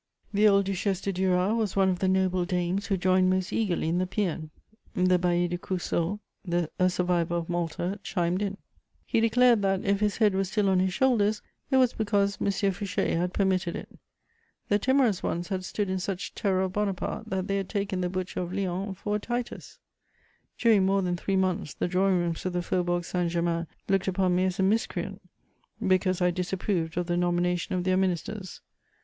[Illustration: Fouché, Duc D'Otrante.] The old Duchesse de Duras was one of the noble dames who joined most eagerly in the pæan; the Bailli de Crussol, a survivor of Malta, chimed in: he declared that, if his head was still on his shoulders, it was because M. Fouché had permitted it. The timorous ones had stood in such terror of Bonaparte that they had taken the butcher of Lyons for a Titus. During more than three months, the drawing rooms of the Faubourg Saint Germain looked upon me as a miscreant, because I disapproved of the nomination of their ministers.